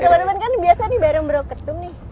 temen temen kan biasanya bareng bro ketum nih